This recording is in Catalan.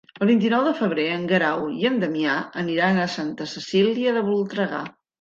El vint-i-nou de febrer en Guerau i en Damià aniran a Santa Cecília de Voltregà.